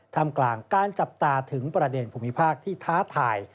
ทำกลางการจับตาถึงประเด็นภูมิภาคที่ท้าทาย